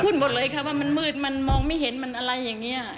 หมดเลยค่ะว่ามันมืดมันมองไม่เห็นมันอะไรอย่างนี้